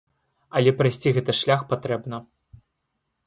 Але прайсці гэты шлях патрэбна.